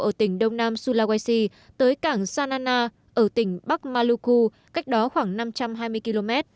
ở tỉnh đông nam sulawesi tới cảng sanana ở tỉnh bắc mauku cách đó khoảng năm trăm hai mươi km